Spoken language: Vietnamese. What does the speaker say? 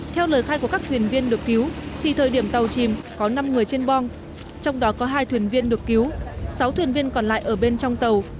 theo lời khai của các thuyền viên được cứu thì thời điểm tàu chìm có năm người trên bom trong đó có hai thuyền viên được cứu sáu thuyền viên còn lại ở bên trong tàu